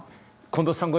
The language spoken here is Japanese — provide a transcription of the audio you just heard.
近藤さん